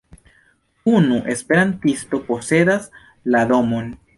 Unu esperantisto posedas la domon.